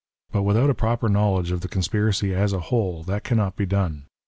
Eut without a proper knowledge of the conspiracy as a whole that cannot be done.